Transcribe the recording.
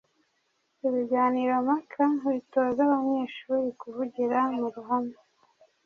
ibiganiro mpaka bitoza abanyeshuri kuvugira mu ruhame.